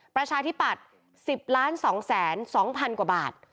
ประชาธิปัตย์๑๐๒๒๐๐๐กว่าบาท